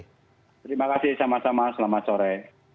terima kasih sama sama selamat sore